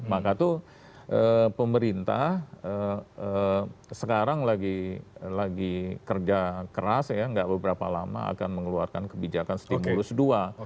maka tuh pemerintah sekarang lagi kerja keras ya nggak beberapa lama akan mengeluarkan kebijakan stimulus dua